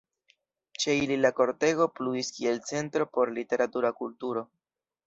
Ĉe ili la kortego pluis kiel centro por literatura kulturo.